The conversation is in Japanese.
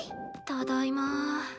ただいま。